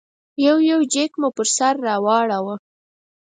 یو یو جېک مو پر سر واړاوه.